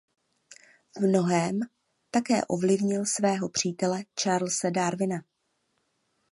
V mnohém také ovlivnil svého přítele Charlese Darwina.